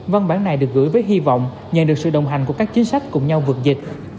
văn bản này được gửi với hy vọng nhận được sự đồng hành của các chính sách cùng nhau vượt dịch